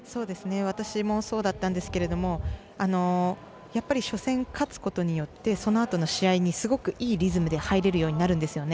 私もそうだったんですけど初戦、勝つことによってそのあとの試合にすごくいいリズムで入れるようになるんですよね。